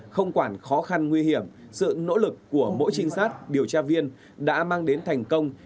không quản khó khăn nguy hiểm sự nỗ lực của mỗi trinh sát điều tra viên đã mang đến thành công